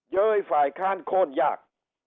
เย้ยฝ่ายค้านโค้นยาก